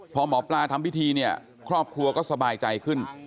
พอหมอปลาทำพิธีเนี่ยครอบครัวก็สบายใจขึ้น